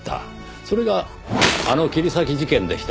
それがあの切り裂き事件でした。